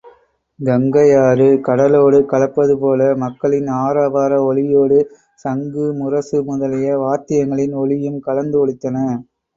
கங்கையாறு கடலோடு கலப்பதுபோல மக்களின் ஆரவார ஒலியோடு சங்கு, முரசு முதலிய வாத்தியங்களின் ஒலியும் கலந்து ஒலித்தன.